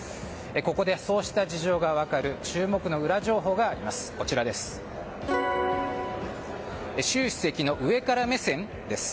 ここでそうした事情が分かる注目のウラ情報があります。